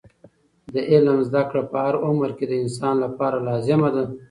د علم زده کړه په هر عمر کې د انسان لپاره لازمه ده.